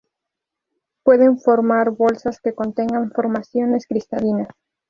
Pueden formar bolsas que contengan formaciones cristalinas.